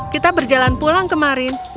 kita berjalan pulang kemarin